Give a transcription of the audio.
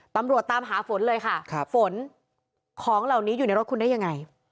ตามหาฝนเลยค่ะฝนของเหล่านี้อยู่ในรถคุณได้ยังไง